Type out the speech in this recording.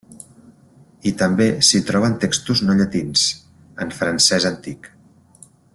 I també s'hi troben textos no llatins, en francès antic.